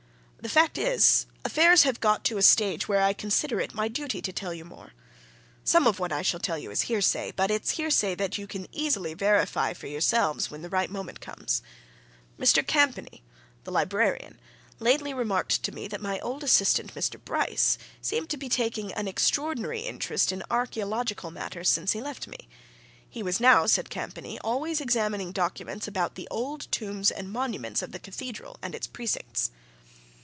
"The fact is, affairs have got to a stage where I consider it my duty to tell you more. Some of what I shall tell you is hearsay but it's hearsay that you can easily verify for yourselves when the right moment comes. Mr. Campany, the librarian, lately remarked to me that my old assistant, Mr. Bryce, seemed to be taking an extraordinary interest in archaeological matters since he left me he was now, said Campany, always examining documents about the old tombs and monuments of the Cathedral and its precincts."